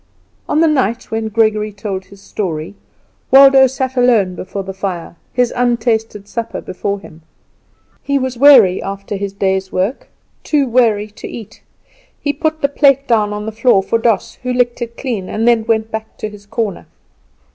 On the night when Gregory told his story Waldo sat alone before the fire, his untasted supper before him. He was weary after his day's work too weary to eat. He put the plate down on the floor for Doss, who licked it clean, and then went back to his corner.